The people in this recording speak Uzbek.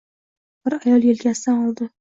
Bir ayol yelkasidan oldi.